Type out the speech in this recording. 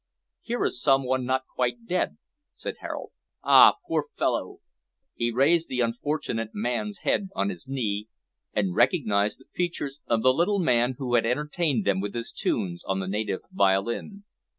"Here is some one not quite dead," said Harold, "Ah! poor fellow!" He raised the unfortunate man's head on his knee, and recognised the features of the little man who had entertained them with his tunes on the native violin.